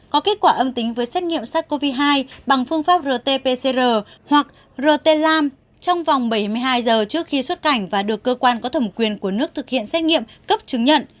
có kết quả âm tính với xét nghiệm sars cov hai bằng phương pháp rt pcr hoặc rt lam trong vòng bảy mươi hai giờ trước khi xuất cảnh và được cơ quan có thẩm quyền của nước thực hiện xét nghiệm cấp chứng nhận